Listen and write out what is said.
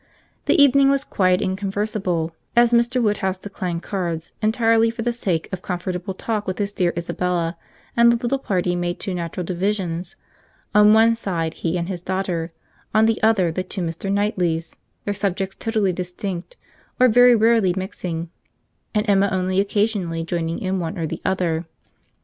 The evening was quiet and conversable, as Mr. Woodhouse declined cards entirely for the sake of comfortable talk with his dear Isabella, and the little party made two natural divisions; on one side he and his daughter; on the other the two Mr. Knightleys; their subjects totally distinct, or very rarely mixing—and Emma only occasionally joining in one or the other.